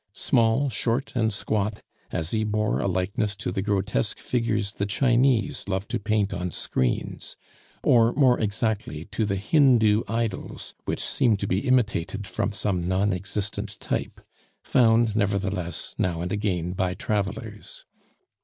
Small, short, and squat, Asie bore a likeness to the grotesque figures the Chinese love to paint on screens, or, more exactly, to the Hindoo idols which seem to be imitated from some non existent type, found, nevertheless, now and again by travelers.